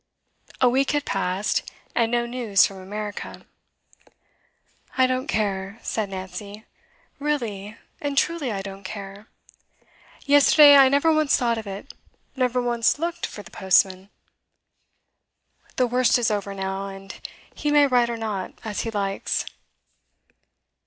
A week had passed, and no news from America. 'I don't care,' said Nancy. 'Really and truly, I don't care. Yesterday I never once thought of it never once looked for the postman. The worst is over now, and he may write or not, as he likes.